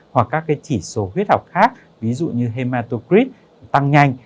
hoặc các chỉ số huyết học khác ví dụ như hematogrip tăng nhanh